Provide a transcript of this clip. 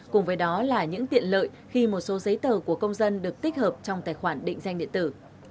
cùng với đó là những tiện lợi khi một số giấy tờ của công dân được tích hợp trong tài khoản định danh điện tử